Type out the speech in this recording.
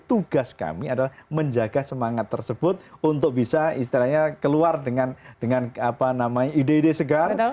tugas kami adalah menjaga semangat tersebut untuk bisa istilahnya keluar dengan ide ide segar